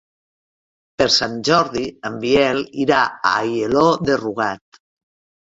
Per Sant Jordi en Biel irà a Aielo de Rugat.